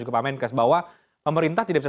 ke pak menkes bahwa pemerintah tidak bisa